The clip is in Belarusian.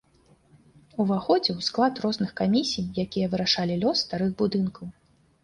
Уваходзіў у склад розных камісій, якія вырашалі лёс старых будынкаў.